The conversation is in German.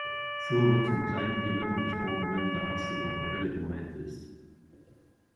So wird vom kleinen Gewinner gesprochen, wenn der erste der Tabelle gemeint ist.